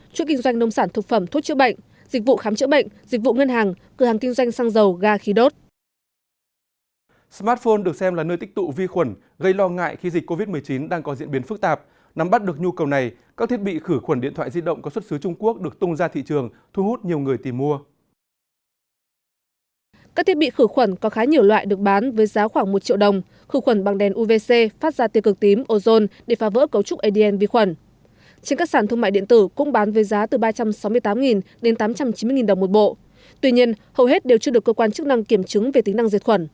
tuy nhiên hầu hết đều chưa được cơ quan chức năng kiểm chứng về tính năng diệt khuẩn